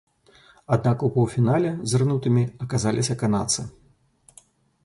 Аднак у паўфінале зрынутымі аказаліся канадцы.